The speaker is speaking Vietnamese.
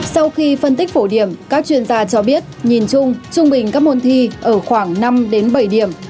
sau khi phân tích phổ điểm các chuyên gia cho biết nhìn chung trung bình các môn thi ở khoảng năm đến bảy điểm